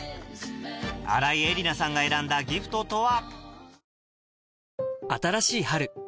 新井恵理那さんが選んだギフトとは？